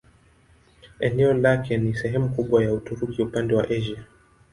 Eneo lake ni sehemu kubwa ya Uturuki upande wa Asia.